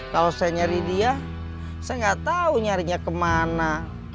kalau saya nyari dia saya nggak tahu nyarinya kemana